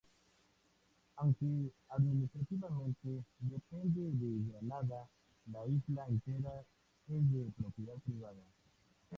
Aunque administrativamente depende de Granada, la isla entera es de propiedad privada.